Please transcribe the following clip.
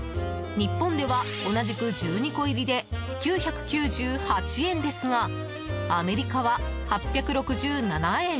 日本では、同じく１２個入りで９９８円ですがアメリカは、８６７円。